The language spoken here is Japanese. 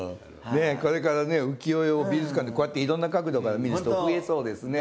ねえこれから浮世絵を美術館でこうやっていろんな角度から見る人増えそうですね。